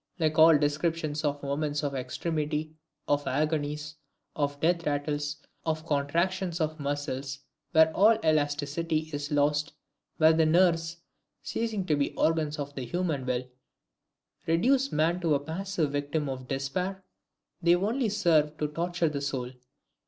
Like all descriptions of moments of extremity, of agonies, of death rattles, of contractions of the muscles where all elasticity is lost, where the nerves, ceasing to be the organs of the human will, reduce man to a passive victim of despair; they only serve to torture the soul.